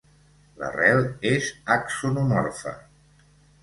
L'arrel és axonomorfa.